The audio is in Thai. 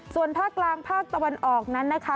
ส่วนภาคกลางภาคตะวันออกนั้นนะคะ